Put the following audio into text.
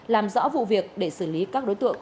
làm rõ vụ việc để xử lý các đối tượng